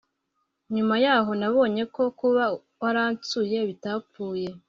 nyuma yaho nabonye ko kuba waransuye bitapfuye